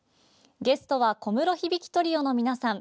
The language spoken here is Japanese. ゲストは小室響トリオの皆さん。